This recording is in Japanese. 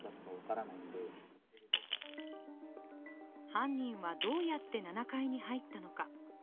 犯人はどうやって７階に入ったのか。